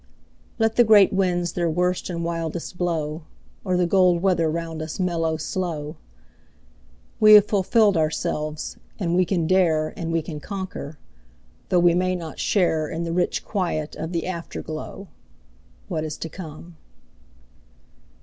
Let the great winds their worst and wildest blow, Or the gold weather round us mellow slow; We have fulfilled ourselves, and we can dare And we can conquer, though we may not share In the rich quiet of the afterglow What is to come.